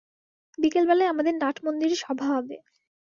বিকেলবেলায় আমাদের নাটমন্দিরে সভা হবে।